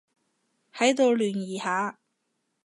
喺度聯誼下